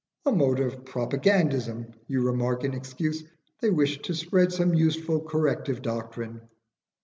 "A mode of propagandism," you remark in excuse; "they wished to spread some useful corrective doctrine."